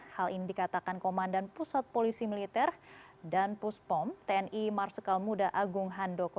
hal ini dikatakan komandan pusat polisi militer dan puspom tni marsikal muda agung handoko